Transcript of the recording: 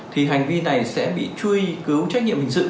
thì hành vi này sẽ bị truy cứu trách nhiệm hình sự